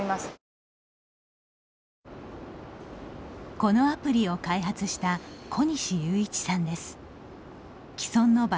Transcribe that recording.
このアプリを開発した小西祐一さんです。